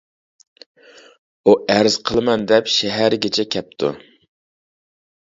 ئۇ «ئەرز قىلىمەن» دەپ شەھەرگىچە كەپتۇ.